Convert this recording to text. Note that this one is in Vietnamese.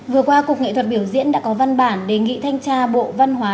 vừa qua cục nghệ thuật biểu diễn đã có văn bản đề nghị thanh tra bộ văn hóa